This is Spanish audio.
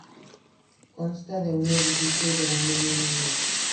Consta de un edificio y de una mina imagen.